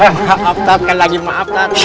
maaf ustadz kalian lagi maafkan